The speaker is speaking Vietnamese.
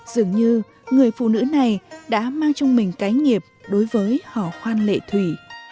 dường như người phụ nữ này đã mang trong mình cái nghiệp đối với hò khoan lệ thủy